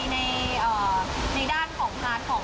ก็คืออยากให้ไปชมในด้านของ